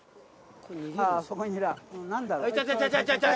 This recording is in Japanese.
ああそこにいたなんだろう。